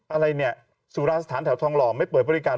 อะไรเนี่ยสุราสถานแถวทองหล่อไม่เปิดบริการ